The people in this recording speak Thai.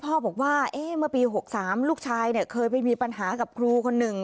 พ่อบอกว่าเมื่อปี๖๓ลูกชายเคยไปมีปัญหากับครูคนหนึ่ง